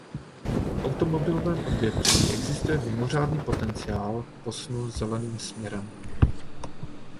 V automobilovém odvětví existuje mimořádný potenciál k posunu zeleným směrem.